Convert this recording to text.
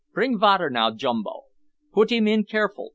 "Bring vatter now, Jumbo. Put him in careful.